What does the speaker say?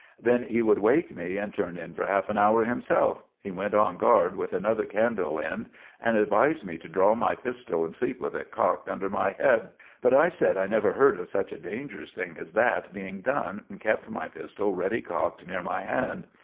Then he would wake me and turn in for half an hour himself. He went on gard with another candle end, and advised me to draw my pistell and sleep with it cocked under my head. But I sed I never herd of such a dangerous thing as that being done, and kept my pistell reddy cocked near my hand.